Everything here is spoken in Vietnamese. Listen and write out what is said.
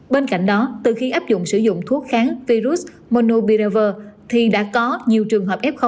bên cạnh đó từ khi áp dụng sử dụng thuốc kháng virus monobirver thì đã có nhiều trường hợp f một